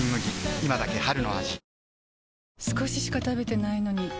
今だけ春の味